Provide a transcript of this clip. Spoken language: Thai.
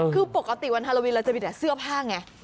คือปกติวันฮาโลวีนเราจะมีแต่เสื้อผ้าไง